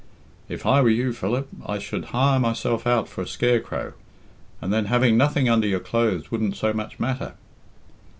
"If I were you, Philip, I should hire myself out for a scarecrow, and then having nothing under your clothes wouldn't so much matter."